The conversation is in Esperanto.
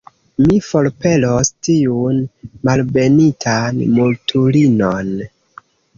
Mi forpelos tiun malbenitan mutulinon!